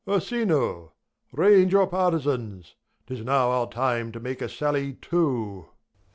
Prov. Ursino ! range your partizans ! 'Tis now our time to make a sally too.